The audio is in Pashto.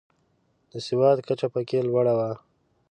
د سواد کچه پکې لوړه وه.